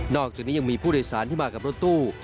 อกจากนี้ยังมีผู้โดยสารที่มากับรถตู้